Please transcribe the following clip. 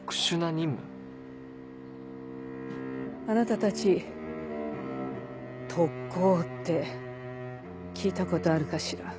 あなたたち特攻って聞いたことあるかしら？